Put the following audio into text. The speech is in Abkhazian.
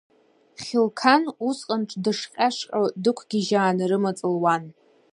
Хьылқан усҟан дышҟьа-шҟьо дықәгьежьааны рымаҵ луан.